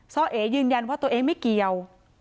่อเอ๋ยืนยันว่าตัวเองไม่เกี่ยว